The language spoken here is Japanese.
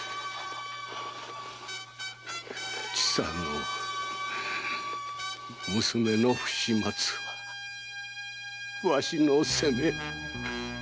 千佐の娘の不始末はわしの責め。